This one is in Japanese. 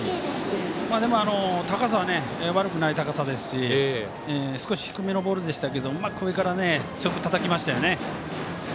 でも、高さは悪くない高さですし少し低めのボールでしたけれどもうまく上から強くたたきましたね。